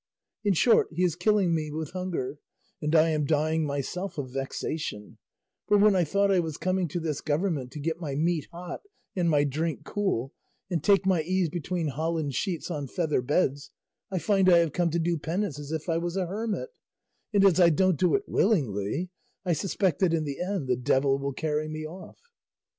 In short he is killing me with hunger, and I am dying myself of vexation; for when I thought I was coming to this government to get my meat hot and my drink cool, and take my ease between holland sheets on feather beds, I find I have come to do penance as if I was a hermit; and as I don't do it willingly I suspect that in the end the devil will carry me off.